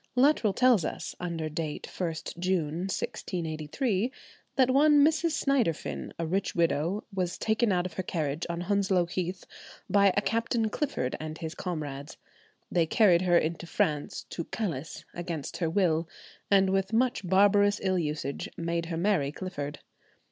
Luttrell tells us, under date 1st June, 1683, that one Mrs. Synderfin, a rich widow, was taken out of her carriage on Hounslow Heath, by a Captain Clifford and his comrades. They carried her into France to "Calice" against her will, and with much barbarous ill usage made her marry Clifford.